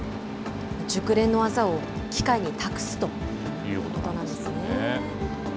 熟練の技を機械に託すということなんですね。